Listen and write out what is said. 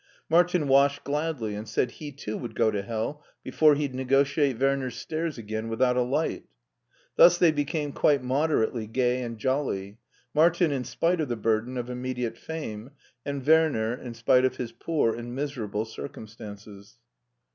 Martin washed gladly, and said he t6o would go to hell before he'd negotiate Werner's stairs again without a light. Thus they became quite moderately gay and jolly — Martin in spite of the bur den of immediate fame, and Werner in spite of his poor and miserable circumstances.